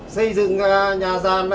xây dựng nhà giàn